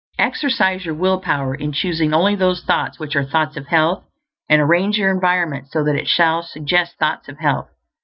_ Exercise your will power in choosing only those thoughts which are thoughts of health, and arrange your environment so that it shall suggest thoughts of health.